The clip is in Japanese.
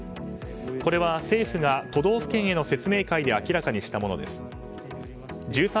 これは、政府が都道府県への説明会で明らかにしたものです。